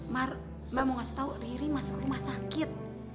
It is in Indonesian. mar mbak mau kasih tau riri masuk rumah sakit